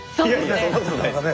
そうですね。